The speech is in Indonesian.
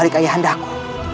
balik ke ayahandaku